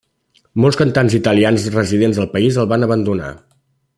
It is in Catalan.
Molts cantants italians residents al país el van abandonar.